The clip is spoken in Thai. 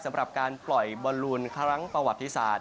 สำหรับการปล่อยบอลลูนครั้งประวัติศาสต